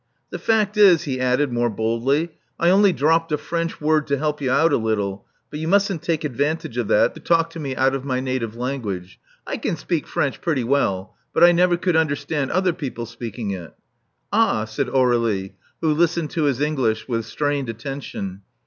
"The fact is," he added, more boldly, "I only dropped a French word to help you out a little; but you mustn't take advantage of that to talk to me out of my Love Among the Artists 323 native language. I can speak French pretty well; but I never could understand other people speaking it." Ah,*' said Aur^lie, who listened to his English with strained attention.